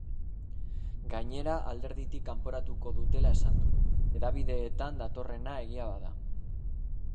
Gainera, alderditik kanporatuko dutela esan du, hedabideetan datorrena egia bada.